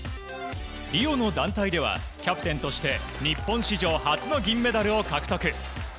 リオの団体ではキャプテンとして日本史上初の銀メダルを獲得。